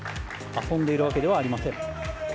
遊んでいるわけではありません。